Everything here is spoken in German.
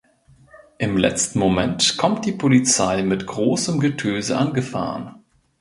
Im letzten Moment kommt die Polizei mit großem Getöse angefahren.